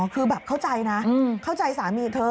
คือแบบเข้าใจนะเข้าใจสามีเธอ